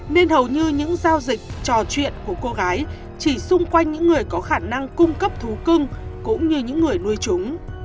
nên hầu như những giao dịch trò chuyện của cô gái chỉ xung quanh những người có khả năng cung cấp thú cưng cũng như những người nuôi chúng